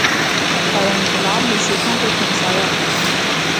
پر انقلاب بچ سکھاں کو اتھو نسایا۔